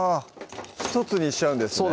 １つにしちゃうんですね